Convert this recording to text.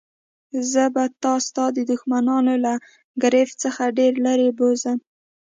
زه به تا ستا د دښمنانو له ګرفت څخه ډېر لیري بوزم.